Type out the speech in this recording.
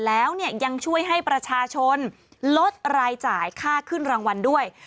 แล้วยังช่วยให้ประชาชนลดรายจ่ายค่าขึ้นรางวัลด้วย